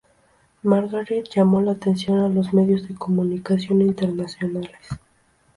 Margaret llamó la atención a los medios de comunicación internacionales.